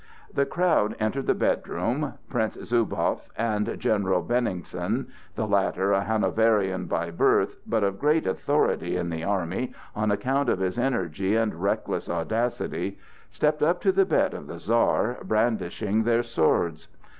The crowd entered the bedroom. Prince Zubow and General Benningsen—the latter a Hanoverian by birth, but of great authority in the army on account of his energy and reckless audacity—stepped up to the bed of the Czar, brandishing their swords.